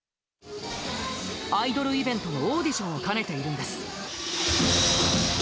アイドルイベントのオーディションを兼ねているんです。